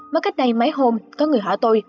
mới cách đây mấy hôm có người hỏi tôi